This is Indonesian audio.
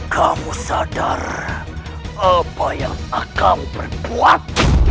kamu sadar apa yang akan berkuat